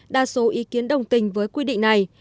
đa số ý kiến đồng tình với quy định này